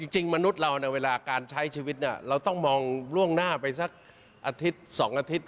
จริงมนุษย์เราเวลาการใช้ชีวิตเราต้องมองล่วงหน้าไปสักอาทิตย์๒อาทิตย์